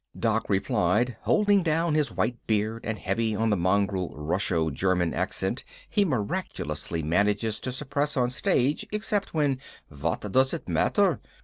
Doc replied, holding down his white beard and heavy on the mongrel Russo German accent he miraculously manages to suppress on stage except when "Vot does it matter?